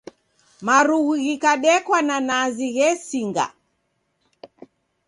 Marughu ghikadekwa na nazi ghesinga.